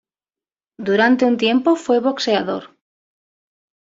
Durante un tiempo, fue boxeador.